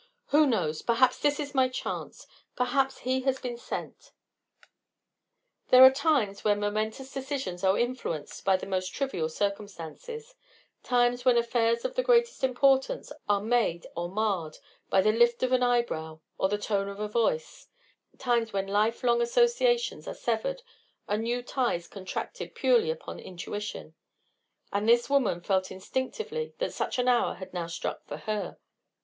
Who knows perhaps this is my chance; perhaps he has been sent." There are times when momentous decisions are influenced by the most trivial circumstances; times when affairs of the greatest importance are made or marred by the lift of an eyebrow or the tone of a voice; times when life long associations are severed and new ties contracted purely upon intuition, and this woman felt instinctively that such an hour had now struck for her.